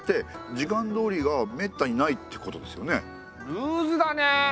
ルーズだねえ。